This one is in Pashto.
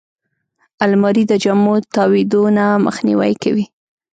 الماري د جامو تاویدو نه مخنیوی کوي